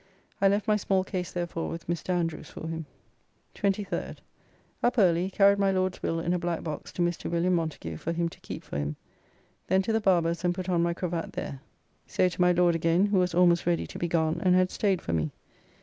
I left my small case therefore with Mr. Andrews for him. 23rd. Up early, carried my Lord's will in a black box to Mr. William Montagu for him to keep for him. Then to the barber's and put on my cravat there. So to my Lord again, who was almost ready to be gone and had staid for me.